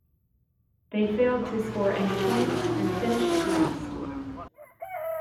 They failed to score any points and finished last.